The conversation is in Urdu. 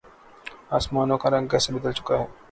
آسمانوں کا رنگ کیسے بدل چکا ہے۔